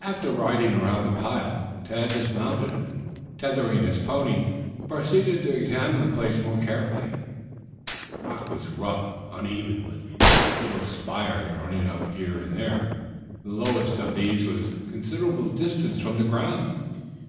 After riding around the pile, Tad dismounted, and, tethering his pony, proceeded to examine the place more carefully. The rock was rough and uneven, with little spires running up here and there. The lowest of these was a considerable distance from the ground.